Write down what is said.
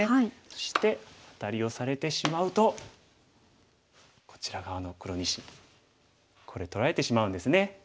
そしてアタリをされてしまうとこちら側の黒２子これ取られてしまうんですね。